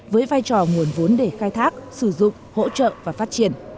với vai trò nguồn vốn để khai thác sử dụng hỗ trợ và phát triển